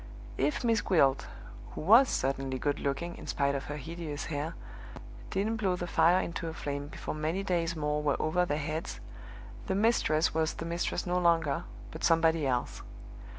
If Miss Gwilt (who was certainly good looking, in spite of her hideous hair) didn't blow the fire into a flame before many days more were over their heads, the mistress was the mistress no longer, but somebody else.